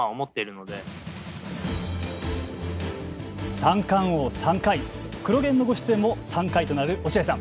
三冠王３回クロ現のご出演も３回となる落合さん